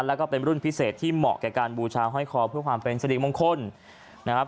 แล้วก็เป็นรุ่นพิเศษที่เหมาะแก่การบูชาห้อยคอเพื่อความเป็นสิริมงคลนะครับ